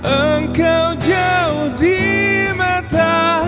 engkau jauh di mata